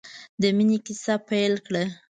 د مینې کیسه یې پیل کړه.